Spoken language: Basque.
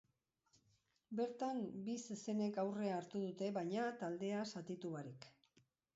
Bertan, bi zezenek aurrea hartu dute, baina taldea zatitu barik.